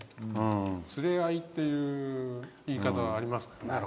連れ合いっていう言い方はありますね。